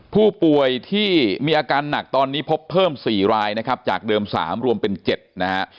ผู้ป่วยที่มีอาการหนักตอนนี้พบเพิ่ม๔รายนะครับจากเดิม๓รวมเป็น๗นะฮะ